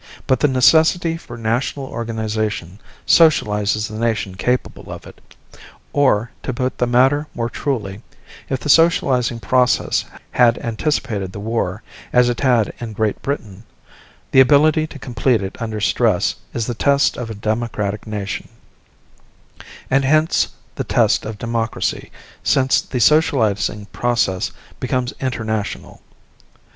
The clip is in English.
But the necessity for national organization socializes the nation capable of it; or, to put the matter more truly, if the socializing process had anticipated the war as it had in Great Britain the ability to complete it under stress is the test of a democratic nation; and hence the test of democracy, since the socializing process becomes international.